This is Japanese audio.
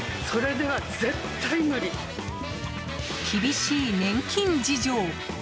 厳しい年金事情。